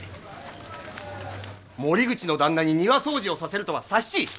森口の旦那に庭掃除をさせるとは佐七！